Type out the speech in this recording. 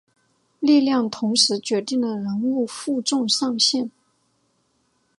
力量同时决定了人物负重上限。